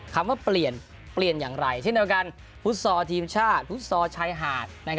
คำว่าเปลี่ยนเปลี่ยนอย่างไรเช่นในประการภูตสทีมชาติภูตสชายหาด